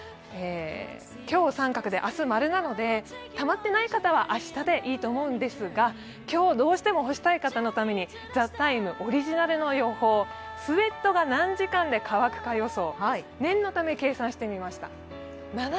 今日は△で、明日は○なのでたまっていない方は明日でいいと思うんですが今日どうしても干したい方のために「ＴＨＥＴＩＭＥ，」オリジナルの予報、スウェットが何時間で乾くか予想。